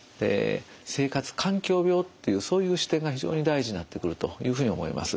生活環境病というそういう視点が非常に大事になってくるというふうに思います。